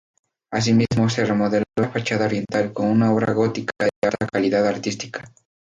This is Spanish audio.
Asimismo se remodeló la fachada oriental con una obra gótica de alta calidad artística.